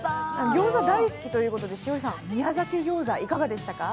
ギョーザ大好きということで栞里さん、宮崎ギョーザいかがでした？